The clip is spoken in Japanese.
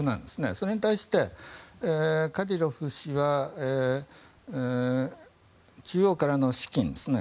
それに対して、カディロフ氏は地方からの資金ですね。